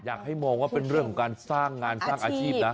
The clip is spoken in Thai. อยากให้มองว่าเป็นเรื่องของการสร้างงานสร้างอาชีพนะ